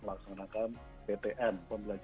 menggunakan ptn